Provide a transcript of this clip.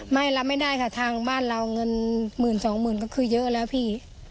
ไม่รับไม่ได้ค่ะรอบบ้านเราเงิน๑๒๐๐๐บาทิดก็คือเยอะแล้วพี่